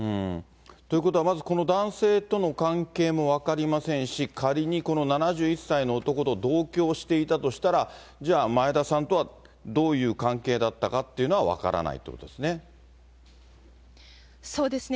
ということはまず、この男性との関係も分かりませんし、仮にこの７１歳の男と同居をしていたとしたら、じゃあ、前田さんとはどういう関係だったかというのは分からないというこそうですね。